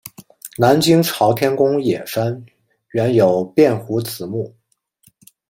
南京朝天宫冶山原有卞壸祠墓。